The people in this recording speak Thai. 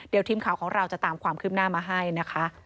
เดี๋ยวทีมข่าวของเราจะตามความคืบหน้ามาให้นะคะ